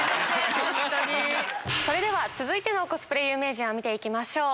それでは続いてのコスプレ有名人見て行きましょう！